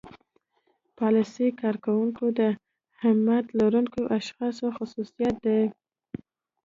پرلپسې کار کول د همت لرونکو اشخاصو خصوصيت دی.